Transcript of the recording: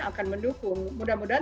akan mendukung mudah mudahan